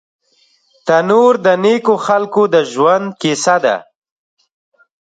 تنور د نیکو خلکو د ژوند کیسه ده